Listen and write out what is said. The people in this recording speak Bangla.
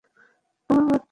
আমার বাচ্চা অসাধারণ।